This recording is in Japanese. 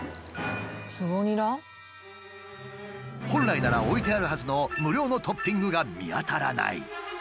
本来なら置いてあるはずの無料のトッピングが見当たらない。